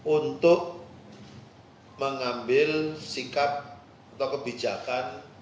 untuk mengambil sikap atau kebijakan